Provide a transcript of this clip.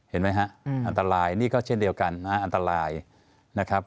เห็นไหมฮะอันตรายนี่ก็เช่นเดียวกันนะฮะอันตรายนะครับ